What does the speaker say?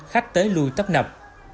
khách tới lùi tấp nập